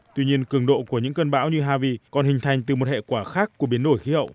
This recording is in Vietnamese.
tuy nhiên cường độ của những cơn bão như havi còn hình thành từ một hệ quả khác của biến đổi khí hậu